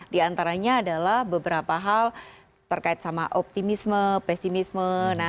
di antaranya adalah beberapa hal terkait sama optimisme pesimisme